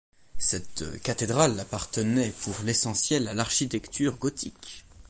Cette cathédrale appartenait pour l'essentiel à l'architecture gothique.